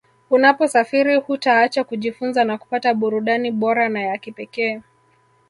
Unaposafiri hutaacha kujifunza na kupata burudani bora na ya kipekee